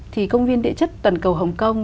thì công viên địa chất toàn cầu hồng kông